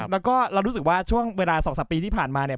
แล้วก็เรารู้สึกว่าช่วงเวลา๒๓ปีที่ผ่านมาเนี่ย